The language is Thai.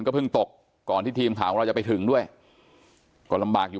ก็เพิ่งตกก่อนที่ทีมข่าวของเราจะไปถึงด้วยก็ลำบากอยู่